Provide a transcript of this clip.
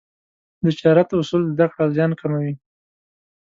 د تجارت اصول زده کړه، زیان کموي.